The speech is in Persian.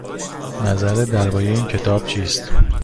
نظرت درباره این کتاب چیست؟